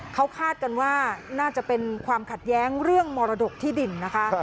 เขาคาดกันว่าน่าจะเป็นความขัดแย้งเรื่องมรดกที่ดินนะคะ